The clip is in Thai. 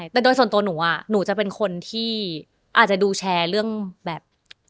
แต่โดยส่วนตัวหนูหนูจะเป็นคนที่อาจจะดูแชร์เรื่องแบบ